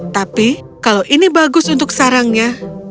tapi kalau ini bagus untuk sarangnya